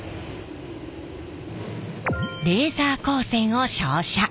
レーザー光線を照射。